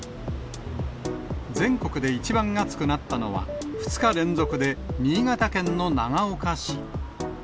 全国で一番暑くなったのは、２日連続で新潟県の長岡市。